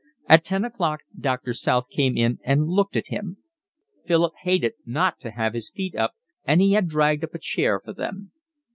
At ten o'clock Doctor South came in and looked at him. Philip hated not to have his feet up, and he had dragged up a chair for them.